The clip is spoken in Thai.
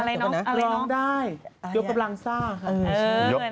ยกกำลังซ่าค่ะ